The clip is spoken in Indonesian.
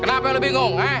kenapa lu bingung